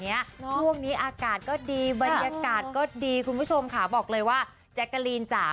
โอ้ยลาไปพบกับคุณกองเวรัยสักทีหน่อยนะจ๊ะ